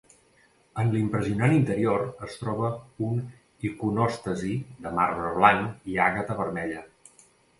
En l'impressionant interior es troba un iconòstasi de marbre blanc i àgata vermella.